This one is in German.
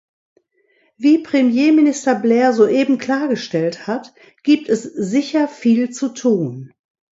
Wie Premierminister Blair soeben klargestellt hat, gibt es sicher viel zu tun.